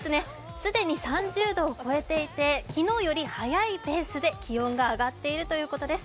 既に３０度を超えていて昨日より早いペースで気温が上がっているということです。